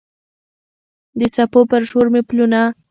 د څپو پر شور مې پلونه